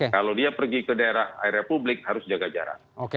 kalau dia pergi ke daerah republik harus jaga jarak